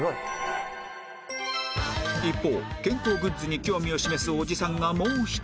一方健康グッズに興味を示すおじさんがもう一人